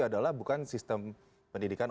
adalah bukan sistem pendidikan